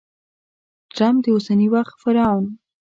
ټرمپ د اوسني وخت فرعون!